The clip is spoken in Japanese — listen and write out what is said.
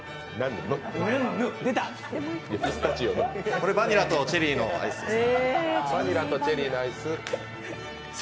これは、バニラとチェリーのアイスです。